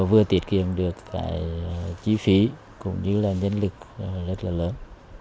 vừa tiết kiệm được cái chi phí cũng như là nhân lực rất là lớn